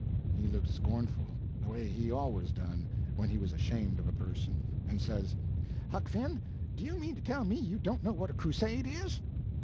He looked scornful, the way he's always done when he was ashamed of a person, and says: "Huck Finn, do you mean to tell me you don't know what a crusade is?"